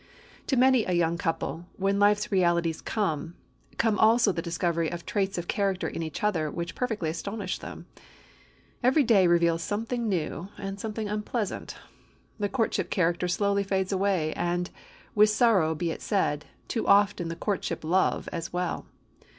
To many a young couple, when life's realities come, come also the discovery of traits of character in each other which perfectly astonish them. Every day reveals something new and something unpleasant. The courtship character slowly fades away, and, with sorrow be it said, too often the courtship love as well.